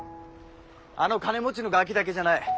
あの金持ちのガキだけじゃない。